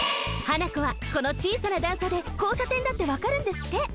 ハナコはこのちいさな段差でこうさてんだってわかるんですって！